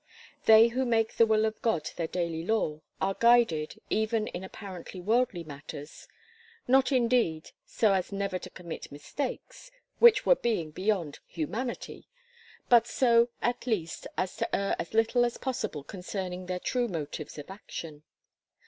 They who make the will of God their daily law, are guided, even in apparently worldly matters, not indeed, so as never to commit mistakes, which were being beyond humanity, but so, at least, as to err as little as possible concerning their true motives of action.